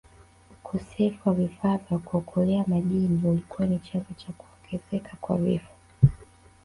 Ukosefu wa vifaa vya kuokolea majini ulikuwa ni chanzo cha kuongezeka kwa vifo